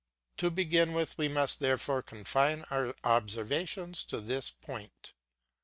To begin with we must therefore confine our observations to this point.